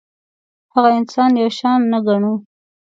هغه انسان یو شان نه ګڼو.